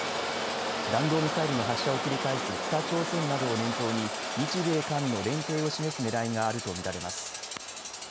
弾道ミサイルの発射を繰り返す北朝鮮などを念頭に日米韓の連携を示すねらいがあると見られます。